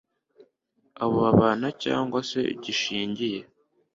abo babana cyangwa se gishingiye